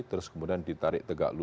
terus kemudian ditarik tegak lurus